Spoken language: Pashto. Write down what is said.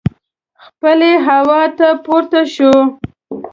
څپلۍ هوا ته پورته شوه.